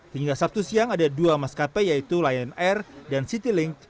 hingga sabtu siang ada dua maskapai yaitu lion air dan citylink